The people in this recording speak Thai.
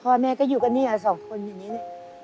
พ่อแม่ก็อยู่กันเนี่ยสองคนอย่างนี้เนี่ย